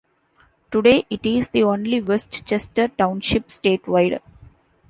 Today, it is the only West Chester Township statewide.